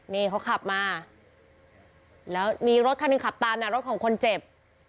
นี่เขาขับมาแล้วมีรถคันหนึ่งขับตามรถของคนเจ็บ